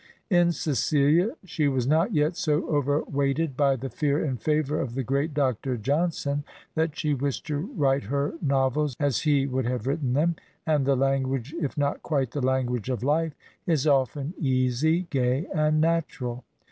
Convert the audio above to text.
In " Cecilia" she was not yet so overweighted by the fear and favor of the great Dr. Johnson that she wished to write her nov els as he would have written them, and the language, if not quite the language of life, is often easy, gay, and natural.